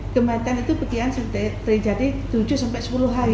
kemahitan itu kemudian terjadi tujuh sepuluh hari